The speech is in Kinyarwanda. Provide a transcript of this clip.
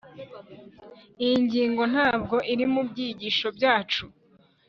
iyi ngingo ntabwo iri mubyigisho byacu